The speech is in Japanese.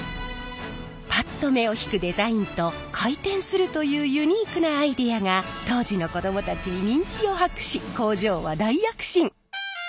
パッと目を引くデザインと回転するというユニークなアイデアが当時の子どもたちに人気を博し工場は大躍進！